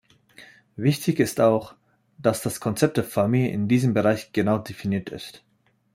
Wichtig ist auch, dass das Konzept der Familie in diesem Bereich genau definiert ist.